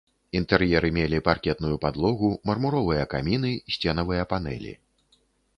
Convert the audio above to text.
Інтэр'еры мелі паркетную падлогу, мармуровыя каміны, сценавыя панэлі.